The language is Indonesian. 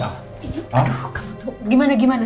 aduh kamu tuh gimana gimana